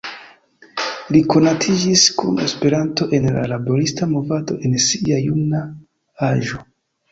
Li konatiĝis kun Esperanto en la laborista movado en sia juna aĝo.